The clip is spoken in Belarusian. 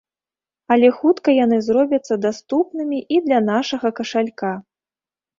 Але хутка яны зробяцца даступнымі і для нашага кашалька.